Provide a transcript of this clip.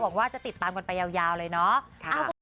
หวังว่าจะติดตามกันไปยาวเลยนะ